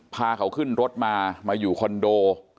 พาเขาขึ้นรถมามาอยู่คอนโด